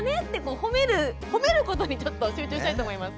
ほめることにちょっと集中したいと思います。